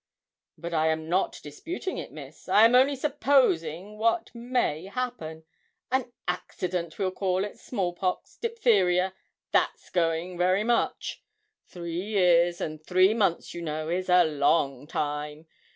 'But I am not disputing it, Miss; I'm only supposing what may happen an accident, we'll call it small pox, diphtheria, that's going very much. Three years and three months, you know, is a long time.